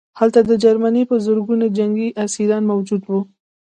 هلته د جرمني په زرګونه جنګي اسیران موجود وو